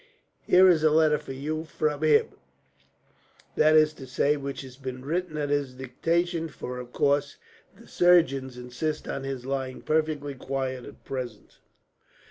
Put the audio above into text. Here is a letter to you from him that is to say, which has been written at his dictation, for of course the surgeons insist on his lying perfectly quiet, at present."